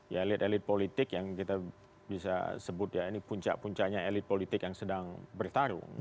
ya elit elit politik yang kita bisa sebut ya ini puncak puncaknya elit politik yang sedang bertarung